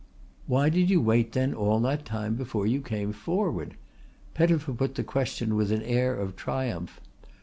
"Why did you wait then all that time before you came forward?" Pettifer put the question with an air of triumph.